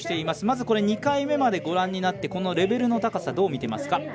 まず、２回目までご覧になってこのレベルの高さどう見ていますか？